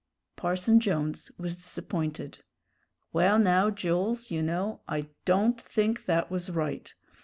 Parson Jones was disappointed. "Well, now, Jools, you know, I don't think that was right.